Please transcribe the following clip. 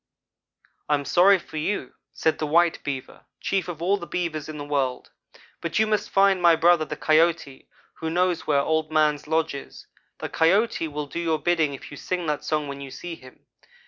"'I am sorry for you, ' said the white Beaver chief of all the Beavers in the world 'but you must find my brother the Coyote, who knows where Old man's lodge is. The Coyote will do your bidding if you sing that song when you see him.